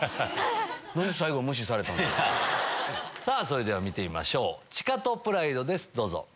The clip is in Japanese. さぁそれでは見てみましょうチカトプライドですどうぞ。